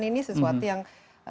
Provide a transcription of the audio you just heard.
ini sesuatu yang